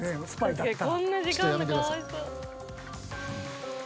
［こんな時間あるのかわいそう］